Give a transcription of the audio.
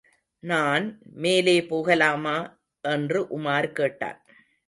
நான் மேலே போகலாமா? என்று உமார் கேட்டான்.